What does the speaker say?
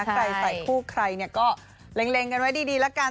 ใครใส่คู่ใครก็เล็งกันไว้ดีแล้วกัน